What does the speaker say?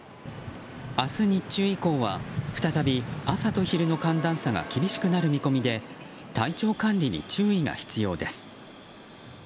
明日日中以降は再び朝と昼の寒暖差が厳しくなる見込みで体調管理に注意が必要です。